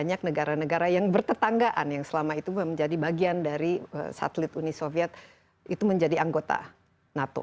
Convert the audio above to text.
banyak negara negara yang bertetanggaan yang selama itu menjadi bagian dari satelit uni soviet itu menjadi anggota nato